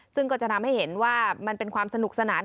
ซึ่งก็จะทำให้เห็นว่ามันเป็นความสนุกสนาน